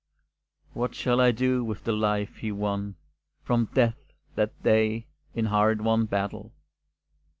What shall I do with the life he won, From death that day, in a hard won battle?